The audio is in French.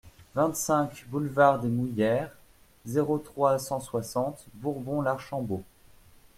vingt-cinq boulevard des Mouillères, zéro trois, cent soixante Bourbon-l'Archambault